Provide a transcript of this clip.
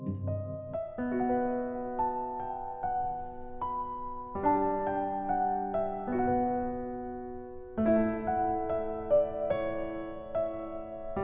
terima kasih yoko